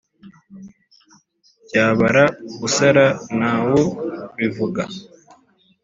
Byabara usara nta wu bivuga